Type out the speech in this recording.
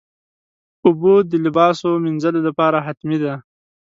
اوبه د لباسو مینځلو لپاره حتمي دي.